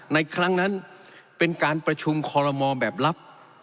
ครั้งนั้นเป็นการประชุมคอลโมแบบลับ